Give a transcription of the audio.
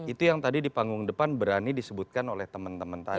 itu yang tadi di panggung depan berani disebutkan oleh teman teman tadi